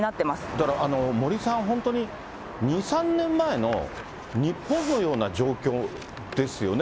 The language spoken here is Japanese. だから、森さん、本当に２、３年前の日本のような状況ですよね。